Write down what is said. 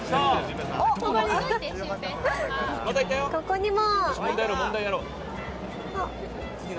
ここにも！